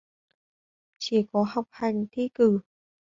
Chỉ có học hành thi cử